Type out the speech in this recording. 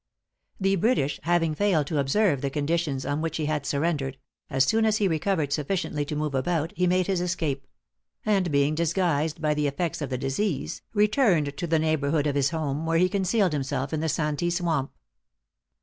The British having failed to observe the conditions on which he had surrendered, as soon as he recovered sufficiently to move about, he made his escape; and being disguised by the effects of the disease, returned to the neighborhood of his home, where he concealed himself in the Santee Swamp.